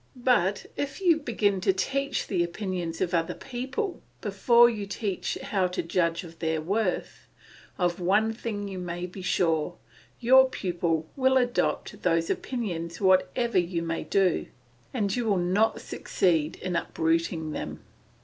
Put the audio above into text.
But if you begin to teach the opinions of other people before you teach how to judge of their worth, of one thing you may be sure, your pupil will adopt those opinions whatever you may do, and you will not succeed in uprooting them.